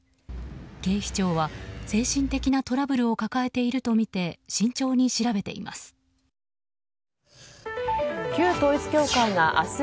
警視庁は精神的なトラブルを抱えているとみて慎重に調べています。